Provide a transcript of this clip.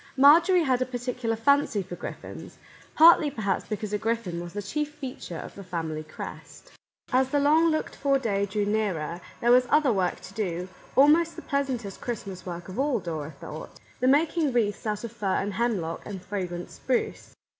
Marjorie had a particular fancy for griffins, — partly, per haps, because a griffin was the chief feature of the family crest. As the long looked for day drew nearer, there was other work to do, almost the pleas antest Christmas work of all, Dora thought, — 86 Our Little Canadian Cousin the making wreaths out of fir and hemlock and fragrant spruce.